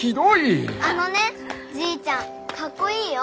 あのねじいちゃんかっこいいよ。